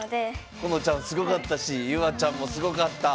このちゃんすごかったしＹｕａちゃんもすごかった。